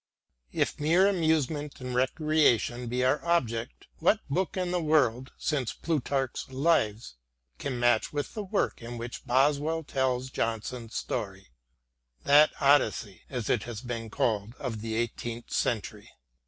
If mere amusement and recreation be our object, what book in the world since Plutarch's " Lives " can match with the work in which BosweU tells Johnson's story — that Odyssey, as it has been called, of the eighteenth century